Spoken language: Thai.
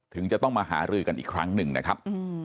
ถึงจะต้องมาหารือกันอีกครั้งหนึ่งนะครับ